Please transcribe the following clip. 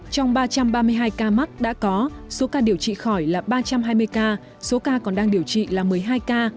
trong ba trăm ba mươi hai ca mắc đã có số ca điều trị khỏi là ba trăm hai mươi ca số ca còn đang điều trị là một mươi hai ca